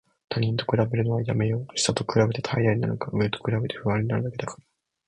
他人と比べるのはやめよう。下と比べて怠惰になるか、上と比べて不安になるだけだから。